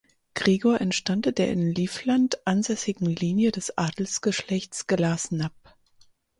Gregor entstammte der in Livland ansässigen Linie des Adelsgeschlechts Glasenapp.